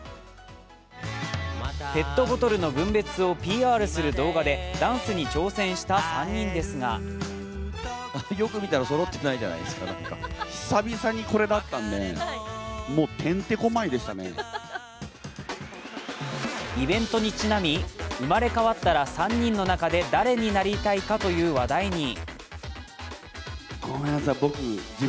ペットボトルの分別をＰＲする動画でダンスに挑戦した３人ですがイベントにちなみ、生まれ変わったら３人の中で誰になりたいかという話題に。